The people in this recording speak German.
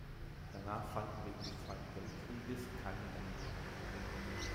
Danach fanden wegen des Zweiten Weltkrieges keine Rennen statt.